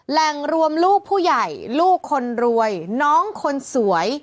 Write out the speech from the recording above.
แหล่งรวมลูกผู้ใหญ่ลูกคนรวยน้องคนสวย